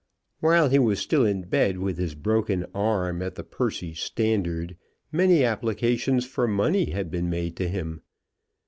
While he was still in bed with his broken arm at the Percy Standard, many applications for money had been made to him.